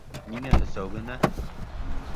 Ниңә өсәү генә.